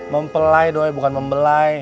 mempelai doi bukan membelai